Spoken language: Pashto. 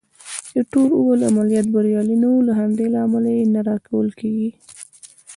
ایټور وویل: عملیات بریالي نه وو، له همدې امله یې نه راکول کېږي.